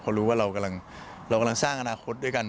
เพราะรู้ว่าเรากำลังสร้างอนาคตด้วยกัน